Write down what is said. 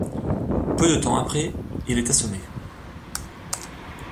Peu de temps après, il est assommé.